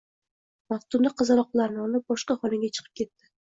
Maftuna qizaloqlarni olib, boshqa xonaga chiqib ketdi